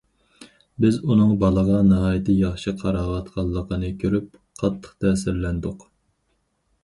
بىز ئۇنىڭ بالىغا ناھايىتى ياخشى قاراۋاتقانلىقىنى كۆرۈپ قاتتىق تەسىرلەندۇق.